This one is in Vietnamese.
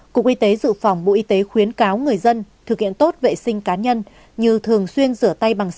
cục y tế dự phòng bộ y tế khuyến cáo người dân thực hiện tốt vệ sinh cá nhân như thường xuyên rửa tay bằng